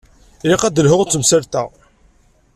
Ilaq ad d-lhuɣ d temsalt-a.